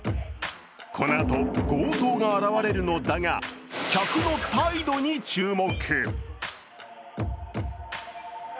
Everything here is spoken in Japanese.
このあと、強盗が現れるのだが客の態度に注目。